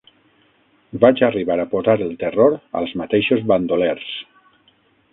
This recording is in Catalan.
Vaig arribar a posar el terror als mateixos bandolers.